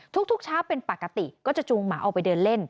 ทุกเช้าเป็นปกติก็จะจูงหมาออกไปเดินเล่น